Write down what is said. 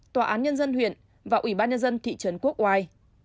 tòa án nhân dân huyện và ủy ban nhân dân thị trấn quốc oai